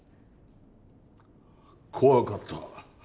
怖かった。